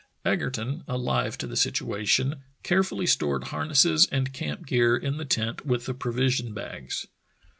Egerton, alive to the situation, carefully stored harnesses and camp gear in the tent with the provision bags.